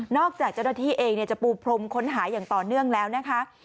จากเจ้าหน้าที่เองจะปูพรมค้นหาอย่างต่อเนื่องแล้วนะคะ